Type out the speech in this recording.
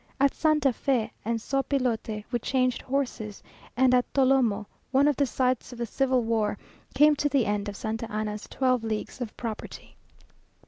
At Santa Fe and Sopilote we changed horses, and at Tolome, one of the sites of the civil war, came to the end of Santa Anna's twelve leagues of property.